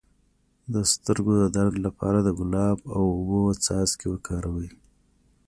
د سترګو د درد لپاره د ګلاب او اوبو څاڅکي وکاروئ